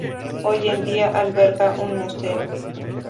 Hoy en día alberga un museo.